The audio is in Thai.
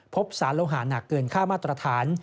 พบสารโลหาหนักเกินค่ามาตรฐาน